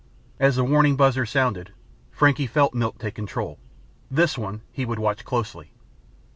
As the warning buzzer sounded, Frankie felt Milt take control. This one he would watch closely.